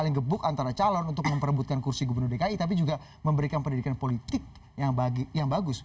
saling gebuk antara calon untuk memperebutkan kursi gubernur dki tapi juga memberikan pendidikan politik yang bagus